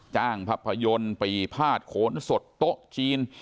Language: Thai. ภาพยนตร์ปีพาดโขนสดโต๊ะจีน